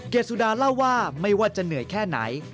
เกศุดาว์เรียนว่าไม่ว่าจะเหนื่อยแค่ไหน